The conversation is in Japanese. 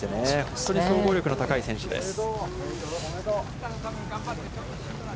本当に総合力の高い選手です。